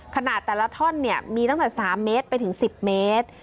ขนาดแต่ละท่อนเนี่ยมีตั้งแต่๓เมตรไปถึง๑๐เมตร